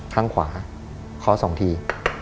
ข้างขวาเคาะ๒ที